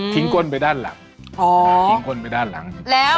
ทิ้งก้นไปด้านหลัง